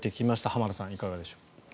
浜田さん、いかがでしょう。